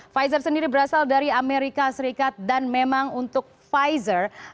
pfizer sendiri berasal dari amerika serikat dan memang untuk pfizer